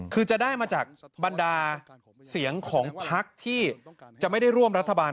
คือจะได้มาจากบรรดาเสียงของพักที่จะไม่ได้ร่วมรัฐบาล